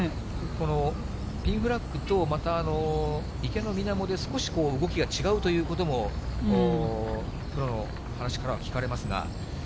このピンフラッグと、また、池のみなもで、少し動きが違うということも、プロの話からは聞かれますが。